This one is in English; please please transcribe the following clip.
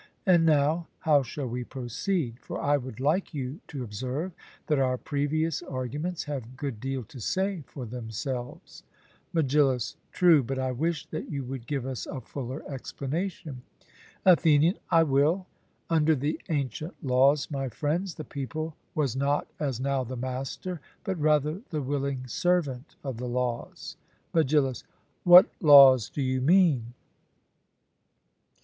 And now, how shall we proceed? for I would like you to observe that our previous arguments have good deal to say for themselves. MEGILLUS: True; but I wish that you would give us a fuller explanation. ATHENIAN: I will. Under the ancient laws, my friends, the people was not as now the master, but rather the willing servant of the laws. MEGILLUS: What laws do you mean?